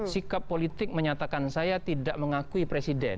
sikap politik menyatakan saya tidak mengakui presiden